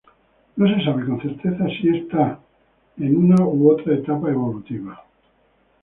No se sabe con certeza si está en una u otra etapa evolutiva.